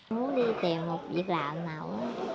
muốn đi tìm một việc làm nào